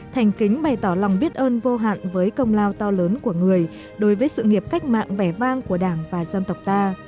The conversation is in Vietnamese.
thành kính bày tỏ lòng biết ơn vô hạn với công lao to lớn của người đối với sự nghiệp cách mạng vẻ vang của đảng và dân tộc ta